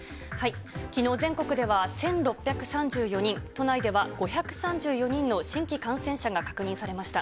きのう全国では１６３４人、都内では５３４人の新規感染者が確認されました。